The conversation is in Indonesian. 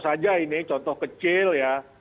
saja ini contoh kecil ya